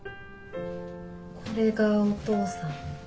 これがお父さん。